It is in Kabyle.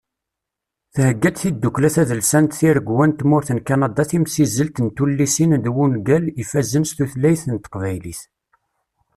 Thegga-d tiddukla tadelsant Tiregwa n tmurt n Kanada timsizzelt n tullisin d wungal ifazen s tutlayt n teqbaylit